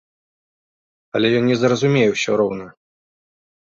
Але ён не зразумее ўсё роўна.